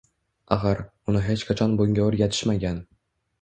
Axir, uni hech qachon bunga o`rgatishmagan